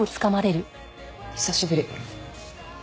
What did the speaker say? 久しぶり。